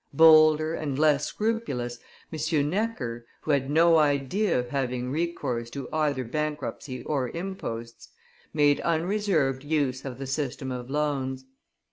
Bolder and less scrupulous, M. Necker, who had no idea of having recourse to either bankruptcy or imposts, made unreserved use of the system of loans.